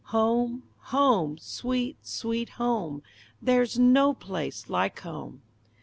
Home, home! Sweet, Sweet Home! There's no place like Home!